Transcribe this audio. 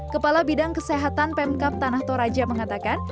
kepala bidang kesehatan pemkap tanah toraja mengatakan